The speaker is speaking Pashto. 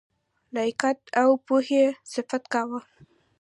لیاقت او پوهي صفت کاوه.